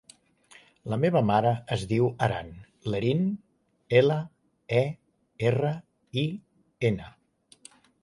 La meva mare es diu Aran Lerin: ela, e, erra, i, ena.